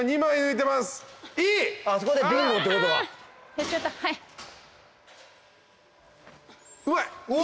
うまいお！